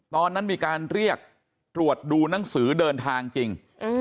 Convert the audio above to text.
ตอนนั้นมีการเรียกตรวจดูหนังสือเดินทางจริง